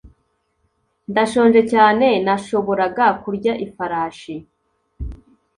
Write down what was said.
Ndashonje cyane nashoboraga kurya ifarashi